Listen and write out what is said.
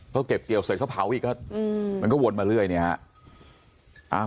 เขาเก็บเกี่ยวเสร็จเขาเผาอีกมันก็วนมาเรื่อยเนี่ยฮะ